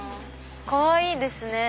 かわいいですね。